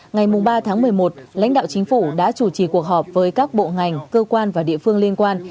ngày ba tháng một mươi một lãnh đạo chính phủ đã chủ trì cuộc họp với các bộ ngành cơ quan và địa phương liên quan